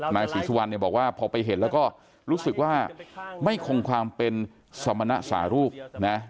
นายศรีสุวรรณเนี่ยบอกว่าพอไปเห็นแล้วก็รู้สึกว่าไม่คงความเป็นสมณสารูปนะ